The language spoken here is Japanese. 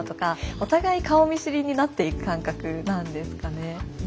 お互い顔見知りになっていく感覚なんですかね。